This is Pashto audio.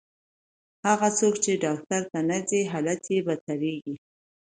هغه څوک چې ډاکټر ته نه ځي، حالت یې بدتریږي.